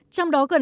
trong đó gần